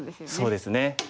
そうですね。